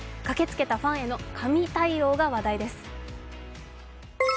駆けつけたファンへの神対応が話題です。